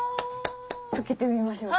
つけてみましょうか？